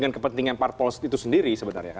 yang pentingnya partpol itu sendiri sebenarnya kan